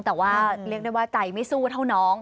แต่ว่าเรียกได้ว่าใจไม่สู้เท่าน้อง